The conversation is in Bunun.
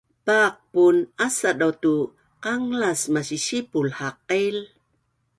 Paqpun asa dau tu qanglas masisipul haqil